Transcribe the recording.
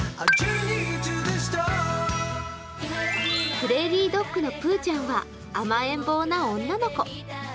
プレーリードッグのぷーちゃんは甘えん坊な女の子。